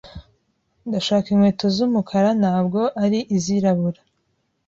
Ndashaka inkweto z'umukara, ntabwo ari izirabura.